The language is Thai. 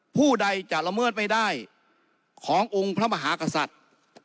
ผู้ใดจะละเมิดไม่ได้ขององค์พระมหากษัตริย์